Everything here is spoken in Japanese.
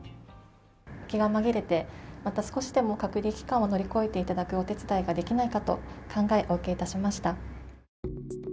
気が紛れて、また少しでも隔離期間を乗り越えるお手伝いができないかと考え、お受けいたしました。